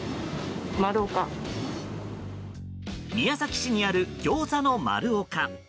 宮崎市にあるぎょうざの丸岡。